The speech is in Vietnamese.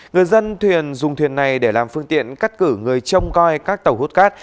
người dân thuyền dùng thuyền này để làm phương tiện cắt cử người trông coi các tàu hút cát